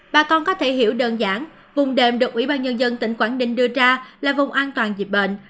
bà con có thể hiểu đơn giản vùng đệm được ủy ban nhân dân tỉnh quảng ninh đưa ra là vùng an toàn dịch bệnh